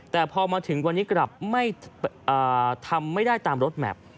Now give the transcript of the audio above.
แต่พอมาถึงวันนี้กลับไม่ทำไม่ได้ตามรถแมพ